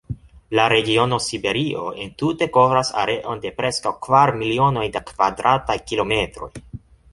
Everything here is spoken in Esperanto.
La regiono Siberio entute kovras areon da preskaŭ kvar milionoj da kvadrataj kilometroj.